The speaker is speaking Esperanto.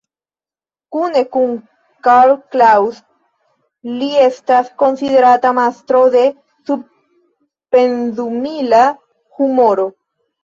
Kune kun Karl Kraus, li estas konsiderata mastro de "sub-pendumila humuro".